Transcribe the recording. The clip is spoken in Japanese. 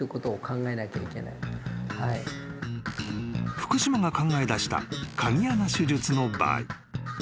［福島が考えだした鍵穴手術の場合］